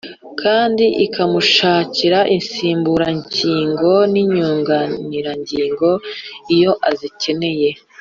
kandi ikamushakira insimburangingo n'inyunganirangingo, iyo azikeneye.